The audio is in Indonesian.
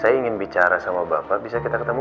saya ingin bicara sama bapak bisa kita ketemu